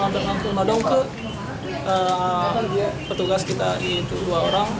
kemudian nonton nonton madung ke petugas kita itu dua orang